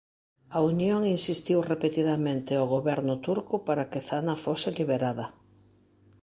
A Unión insistiu repetidamente ao goberno turco para que Zana fose liberada.